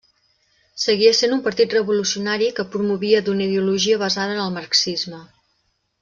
Seguia sent un partit revolucionari que promovia d'una ideologia basada en el marxisme.